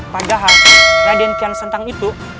padahal raden kian sentang itu